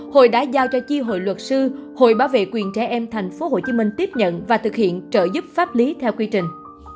hội đã giao cho chi hội luật sư hội bảo vệ quyền trẻ em tp hcm tiếp nhận và thực hiện trợ giúp pháp lý theo quy trình